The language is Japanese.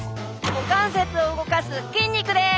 股関節を動かす筋肉です！